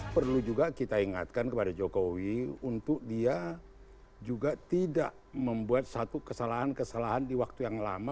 perlu juga kita ingatkan kepada jokowi untuk dia juga tidak membuat satu kesalahan kesalahan di waktu yang lama